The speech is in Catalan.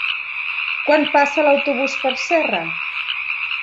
Quan passa l'autobús per Serra?